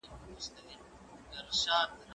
اوبه وڅښه!.